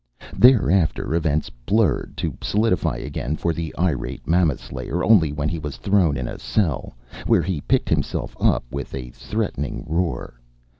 Thereafter events blurred, to solidify again for the irate Mammoth Slayer only when he was thrown in a cell, where he picked himself up with a threatening roar.